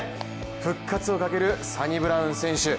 復活をかけるサニブラウン選手。